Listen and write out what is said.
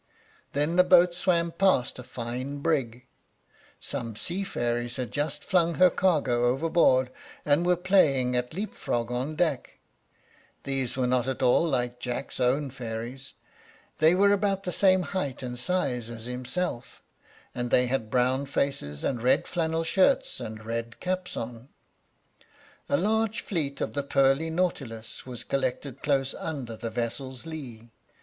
Then the boat swam past a fine brig. Some sea fairies had just flung her cargo overboard, and were playing at leap frog on deck. These were not at all like Jack's own fairies; they were about the same height and size as himself, and they had brown faces, and red flannel shirts and red caps on. A large fleet of the pearly nautilus was collected close under the vessel's lee.